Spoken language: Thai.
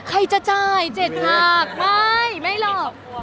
โอ้ยใครจะจ่ายเจ็บหักไม่ไม่หรอก